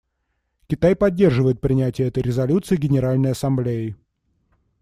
Китай поддерживает принятие этой резолюции Генеральной Ассамблеей.